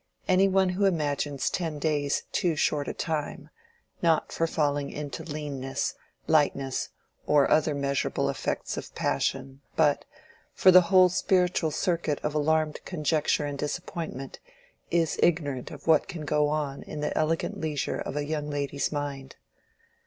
Any one who imagines ten days too short a time—not for falling into leanness, lightness, or other measurable effects of passion, but—for the whole spiritual circuit of alarmed conjecture and disappointment, is ignorant of what can go on in the elegant leisure of a young lady's mind.